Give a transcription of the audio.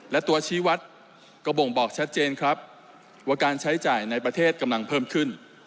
และตัวชี้วัดก็บ่งบอกชัดเจนครับว่าการใช้จ่ายในประเทศกำลังเพิ่มขึ้น